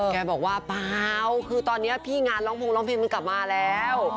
แกบอกว่าเปล่าคือตอนนี้พี่งานร้องพงร้องเพลงมันกลับมาแล้ว